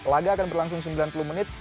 laga akan berlangsung sembilan puluh menit